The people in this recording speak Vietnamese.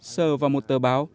sờ vào một tờ báo